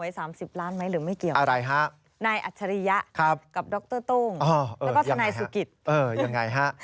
สามสิบล้านไหมหรือไม่เกี่ยวอะไรฮะนายอัจฉริยะกับดรโต้งแล้วก็ทนายสุกิตเออยังไงฮะ